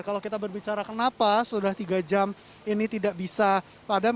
kalau kita berbicara kenapa sudah tiga jam ini tidak bisa padam